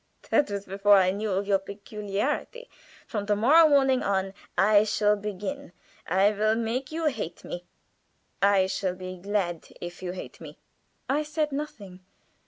"That was before I knew of your peculiarity. From to morrow morning on I shall begin. I will make you hate me. I shall be glad if you hate me." I said nothing.